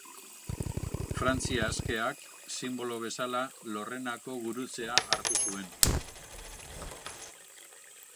Frantzia Askeak sinbolo bezala Lorrenako Gurutzea hartu zuen.